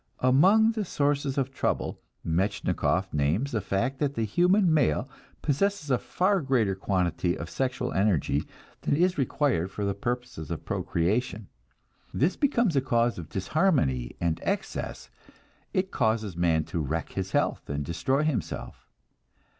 Among the sources of trouble, Metchnikoff names the fact that the human male possesses a far greater quantity of sexual energy than is required for purposes of procreation. This becomes a cause of disharmony and excess, it causes man to wreck his health and destroy himself.